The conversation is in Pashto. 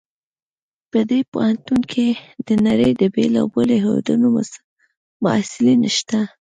په دې پوهنتون کې د نړۍ د بیلابیلو هیوادونو محصلین شته